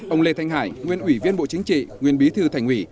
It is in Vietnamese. ông lê thanh hải nguyên ủy viên bộ chính trị nguyên bí thư thành ủy